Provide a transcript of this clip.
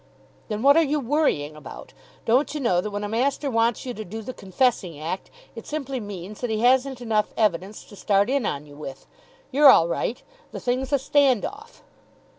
"Then what are you worrying about? Don't you know that when a master wants you to do the confessing act, it simply means that he hasn't enough evidence to start in on you with? You're all right. The thing's a stand off."